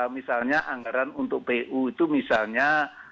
misalnya anggaran untuk pu itu misalnya